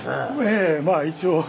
ええまあ一応。